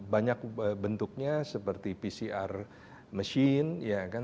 banyak bentuknya seperti pcr machine